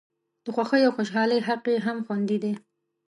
د خوښۍ او خوشالۍ حق یې هم خوندي دی.